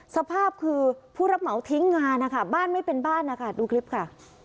สภาพคือผู้รับเหมาทิ้งงานนะคะบ้านไม่เป็นบ้านนะคะดูคลิปค่ะ